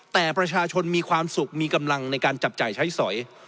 แต่ประชาชนมีความสุขมีกำลังในการจับจ่ายใช้สอย